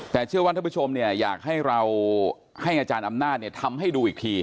แต่เชื่อว่าท่านผู้ชมอยากให้เราให้อาจารย์อำนาจทำให้ดูอีกที